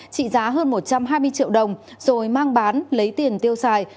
trị giá hơn một trăm hai mươi triệu đồng rồi mang bán lấy tiền tiêu xài